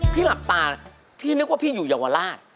หลับตาพี่นึกว่าพี่อยู่เยาวราช